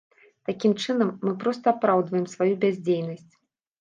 Такім чынам, мы проста апраўдваем сваю бяздзейнасць.